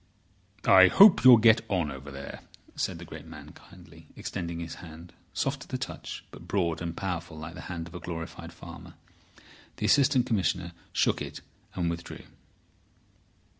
"I hope you'll get on over there," said the great man kindly, extending his hand, soft to the touch, but broad and powerful like the hand of a glorified farmer. The Assistant Commissioner shook it, and withdrew.